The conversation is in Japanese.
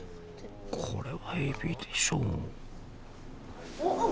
これはエビでしょうおっ？